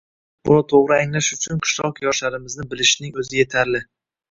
Buni to‘g‘ri anglash uchun qishloq yoshlarimizni bilishning o‘zi yetarli.